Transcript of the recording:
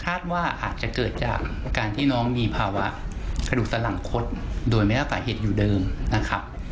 ว่าอาจจะเกิดจากการที่น้องมีภาวะกระดูกสลังคดโดยไม่รับสาเหตุอยู่เดิมนะครับ